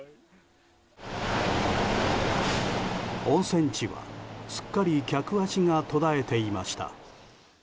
温泉地は、すっかり客足が途絶えていました。